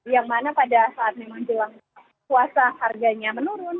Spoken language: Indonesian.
yang mana pada saat memang jelang puasa harganya menurun